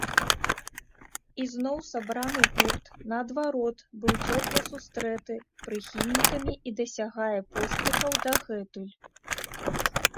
Ізноў сабраны гурт, наадварот, быў цёпла сустрэты прыхільнікамі і дасягае поспехаў дагэтуль.